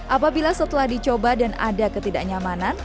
apabila setelah dicoba dan ada ketidaknyamanan